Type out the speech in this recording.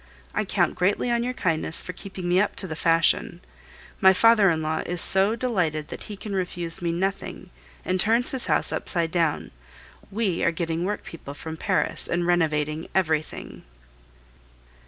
I count greatly on your kindness for keeping me up to the fashion. My father in law is so delighted that he can refuse me nothing, and turns his house upside down. We are getting workpeople from Paris and renovating everything.